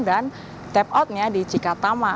dan tap outnya di cikatama